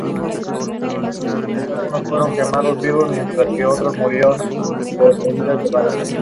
La Jarrie-Audouin